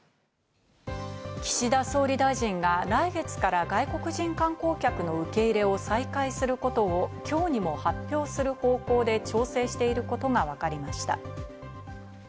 岸田総理大臣が来月から外国人観光客の受け入れを再開することを今日にも発表する方向で調整していることがわかりました。